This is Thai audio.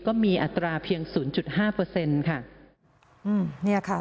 ก็มีอัตราเพียงศูนย์จุดห้าเปอร์เซ็นต์ค่ะอืมเนี่ยค่ะ